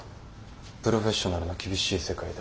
プロフェッショナルの厳しい世界だ。